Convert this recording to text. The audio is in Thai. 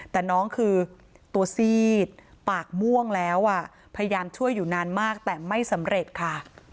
แต่น้องคือตัวซีดปากม่วงแล้วอ่ะพยายามช่วยอยู่นานมากแต่ไม่สำเร็จค่ะ